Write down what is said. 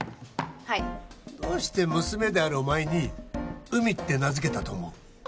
はいどうして娘であるお前に「海」って名づけたと思う？